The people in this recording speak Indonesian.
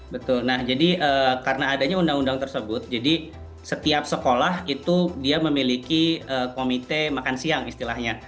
betul nah jadi karena adanya undang undang tersebut jadi setiap sekolah itu dia memiliki komite makan siang istilahnya